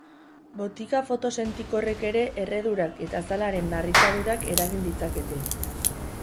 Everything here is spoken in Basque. Botika fotosentikorrek ere erredurak eta azalaren narritadurak eragin ditzakete.